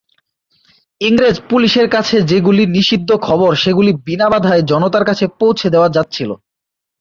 ইংরেজ পুলিশের কাছে যেগুলি নিষিদ্ধ খবর সেগুলি বিনা বাধায় জনতার কাছে পৌঁছে দেওয়া যাচ্ছিল।